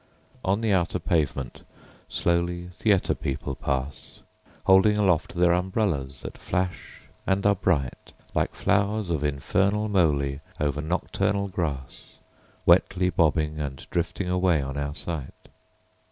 On the outer pavement, slowly, Theatre people pass, Holding aloft their umbrellas that flash and are brightLike flowers of infernal molyOver nocturnal grassWetly bobbing and drifting away on our sight.